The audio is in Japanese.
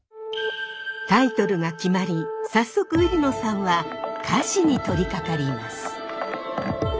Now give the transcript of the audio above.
タイトルが決まり早速売野さんは歌詞に取りかかります。